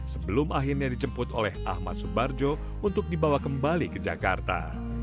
sebelum akhirnya dijemput oleh ahmad subarjo untuk dibawa kembali ke jakarta